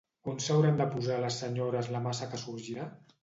On s'hauran de posar les senyores la massa que sorgirà?